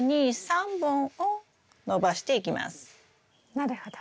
なるほど。